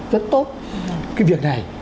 rất tốt cái việc này